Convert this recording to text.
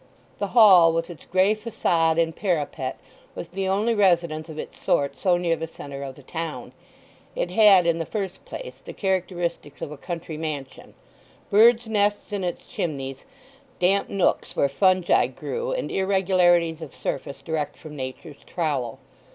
The Hall, with its grey façade and parapet, was the only residence of its sort so near the centre of the town. It had, in the first place, the characteristics of a country mansion—birds' nests in its chimneys, damp nooks where fungi grew and irregularities of surface direct from Nature's trowel.